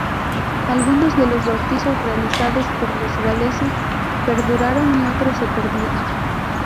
Algunos de los bautizos realizados por los galeses perduraron y otros se perdieron.